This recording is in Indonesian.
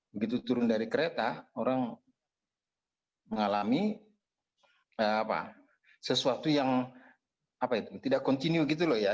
begitu turun dari kereta orang mengalami sesuatu yang tidak continue gitu loh ya